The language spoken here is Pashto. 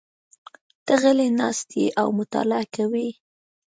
ته غلی ناست یې او مطالعه کوې.